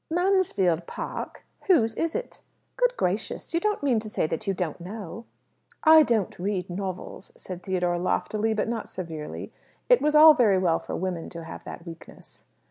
"'Mansfield Park.' Whose is it?" "Good gracious! You don't mean to say that you don't know?" "I don't read novels," said Theodore loftily, but not severely. It was all very well for women to have that weakness.